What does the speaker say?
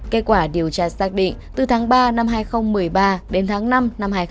kết quả điều tra xác định từ tháng ba năm hai nghìn một mươi ba đến tháng năm năm hai nghìn hai mươi